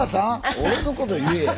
俺のこと言えや。